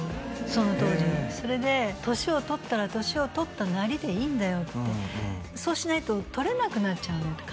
その当時にそれで「年を取ったら年を取ったなりでいいんだよ」って「そうしないと撮れなくなっちゃうんだよ」って